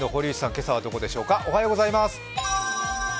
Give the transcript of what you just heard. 今朝はどこでしょうか。